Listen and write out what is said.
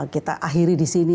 kita akhiri di sini